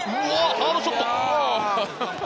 ハードショット！